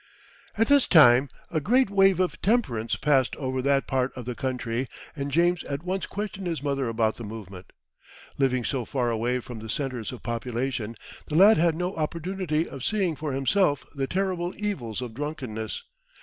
At this time a great wave of temperance passed over that part of the country, and James at once questioned his mother about the movement. Living so far away from the centres of population, the lad had no opportunity of seeing for himself the terrible evils of drunkenness.